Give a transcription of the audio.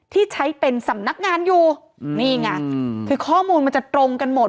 ที่ใช้เป็นสำนักงานอยู่นี่ไงคือข้อมูลมันจะตรงกันหมด